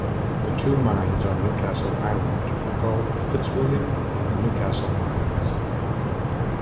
The two mines on Newcastle Island were called the Fitzwilliam and the Newcastle mines.